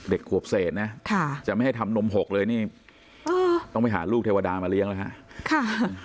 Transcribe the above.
เด็กขวบเศษนะจะไม่ให้ทำนมหกเลยนี่ต้องไปหาลูกเทวดามาเลี้ยงแล้วฮะ